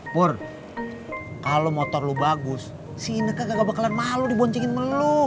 pur kalo motor lu bagus si ineke gak bakalan malu diboncingin melu